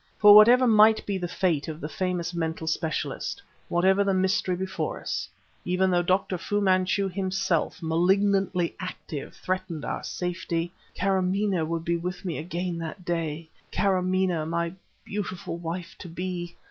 For whatever might be the fate of the famous mental specialist, whatever the mystery before us even though Dr. Fu Manchu himself, malignantly active, threatened our safety Kâramaneh would be with me again that day Kâramaneh, my beautiful wife to be!